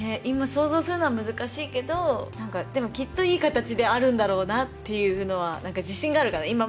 今想像するのは難しいけどなんかでもきっといい形であるんだろうなっていうのはなんか自信があるかな